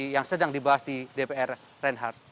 yang sedang dibahas di dpr reinhardt